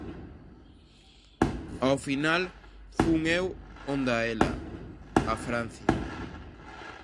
Ao final, fun eu onda ela, a Francia.